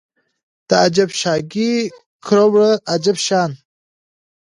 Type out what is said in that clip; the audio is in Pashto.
د اجب شاګۍ کروړو عجب شان